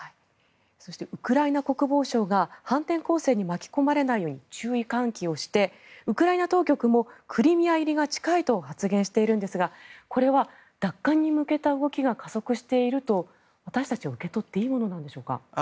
そしてウクライナ国防相が反転攻勢に巻き込まれないよう注意喚起をしてウクライナ当局もクリミア入りが近いと発言しているんですがこれは奪還に向けた動きが加速していると、私たちは受け取っていいのでしょうか。